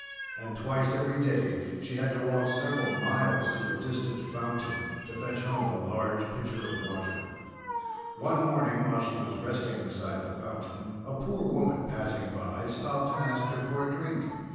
And twice every day she had to walk several miles to a distant fountain to fetch home a large pitcher of water. One morning, while she was resting beside the fountain, a poor woman passing by, stopped and asked her for a drink.